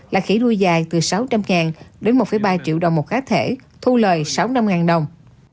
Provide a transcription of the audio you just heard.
là khỉ đuôi dài từ sáu trăm linh đến một ba triệu đồng một cá thể thu lời sáu năm đồng